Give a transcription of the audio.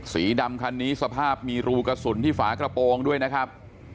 สีดำคันนี้สภาพมีรูกระสุนที่ฝากระโปรงด้วยนะครับ